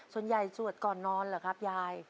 ส่วนใหญ่สวดก่อนนอนเหรอครับยาย